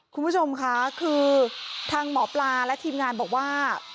คุณผู้ชมค่ะคือทางหมอปลาและทีมงานบอกว่า